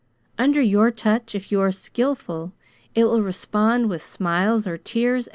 Under your touch, if you are skilful, it will respond with smiles or tears, as you will."